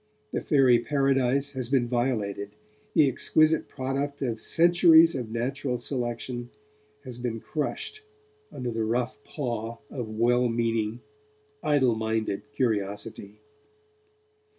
The fairy paradise has been violated, the exquisite product of centuries of natural selection has been crushed under the rough paw of well meaning, idle minded curiosity.